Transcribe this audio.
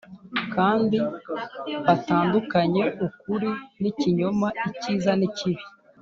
kandi batandukanye ukuri n’ikinyoma, icyiza n’ikibi.